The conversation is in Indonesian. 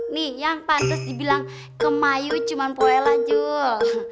nih yang pantes dibilang kemayu cuman poe lah jul